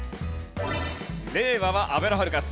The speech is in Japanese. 令和はあべのハルカス。